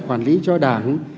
khoản lý cho đảng